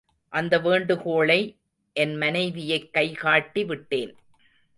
அந்த வேண்டுகோளை என் மனைவியைக் கைகாட்டி விட்டேன்.